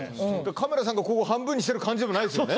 カメラさんがここ半分にしてる感じでもないですよね。